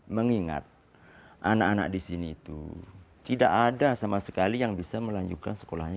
mengingat anak anak di sini itu tidak ada sama sekali yang bisa melanjutkan sekolahnya